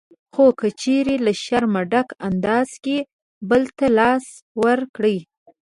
خو که چېرې له شرمه ډک انداز کې بل ته لاس ورکړئ